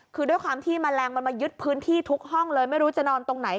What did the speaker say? คือด้วยความที่แมลงมันมายึดพื้นที่ทุกห้องเลยไม่รู้จะนอนตรงไหน